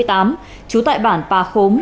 trú tại bản bà khống